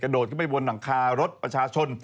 โดดขึ้นไปบนหลังคารถประชาชน